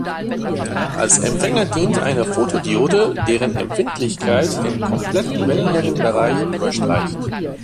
Als Empfänger dient eine Fotodiode, deren Empfindlichkeit den kompletten Wellenlängenbereich überstreicht.